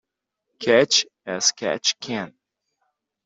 Catch as catch can.